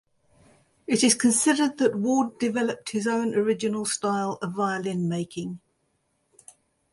It is considered that Ward developed his own original style of violin making.